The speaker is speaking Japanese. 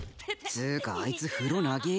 つうかあいつ風呂長え。